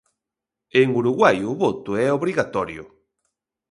En Uruguai o voto é obrigatorio.